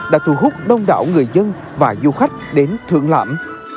đã thu hút đông đảo người dân và du khách đến thưởng lãm